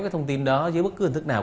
cái thông tin đó dưới bất cứ hình thức nào